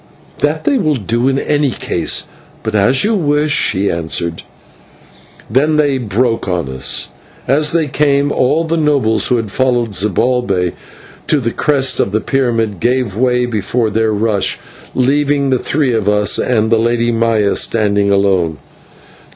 "That they will do in any case but as you wish," he answered. Then they broke on us. As they came, all those nobles who had followed Zibalbay to the crest of the pyramid gave way before their rush, leaving the three of us and the Lady Maya standing alone.